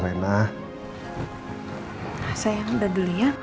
sayang udah dulu ya